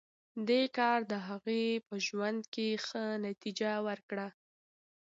دې کار د هغه په ژوند کې ښه نتېجه ورکړه